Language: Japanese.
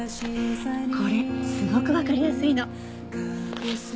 これすごくわかりやすいの。